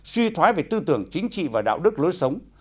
suy thoái về tư tưởng chính trị và đạo đức lối sống